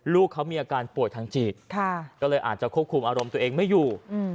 ลูกเขามีอาการป่วยทางจิตก็เลยอาจจะควบคุมอารมณ์ตัวเองไม่อยู่